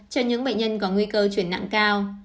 cho những bệnh nhân có nguy cơ chuyển nặng cao